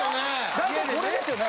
大体これですよね？